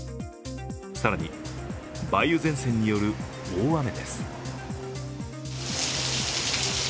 更に、梅雨前線による大雨です。